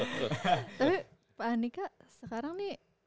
tapi pak andika sekarang nih